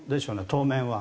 当面は。